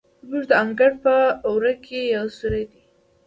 زموږ د انګړ په وره کې یو سورى و.